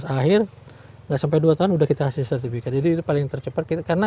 akhir nggak sampai dua tahun udah kita hasil sertifikat jadi itu paling tercepat kita karena